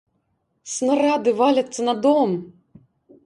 Снарады валяцца на дом!